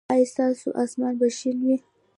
ایا ستاسو اسمان به شین وي؟